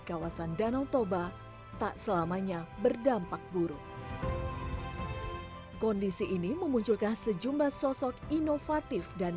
kawasan danau toba tak selamanya berdampak buruk kondisi ini memunculkan sejumlah sosok inovatif dan